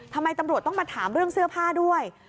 ทำไมตำรวจต้องมาถามเรื่องเสื้อผ้าด้วย